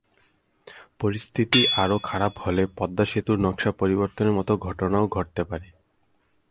পরিস্থিতি আরও খারাপ হলে পদ্মা সেতুর নকশা পরিবর্তনের মতো ঘটনাও ঘটতে পারে।